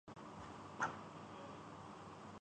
FIFA world cup دفاعی champion جرمنی پہلے رانڈ سے ہی باہر